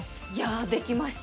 できました。